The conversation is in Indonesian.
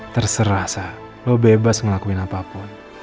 terserah elsa lo bebas ngelakuin apapun